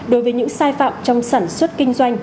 với những sai phạm trong sản xuất kinh doanh